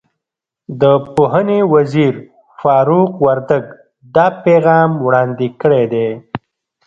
د پوهنې وزیر فاروق وردګ دا پیغام وړاندې کړی دی.